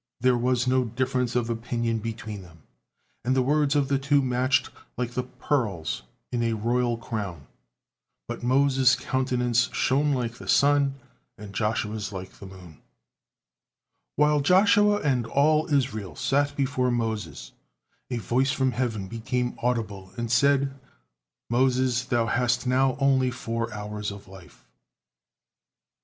There was no difference of opinion between them, and the words of the two matched like the pearls in a royal crown. But Moses' countenance shone like the sun, and Joshua's like the moon. While Joshua and all Israel still sat before Moses, a voice from heaven became audible and said, "Moses, thou hast now only four hours of life."